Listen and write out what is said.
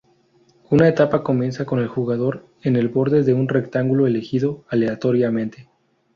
Una etapa comienza con el jugador en el borde de un rectángulo elegido aleatoriamente.